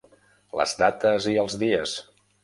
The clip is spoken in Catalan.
Les dates i els dies.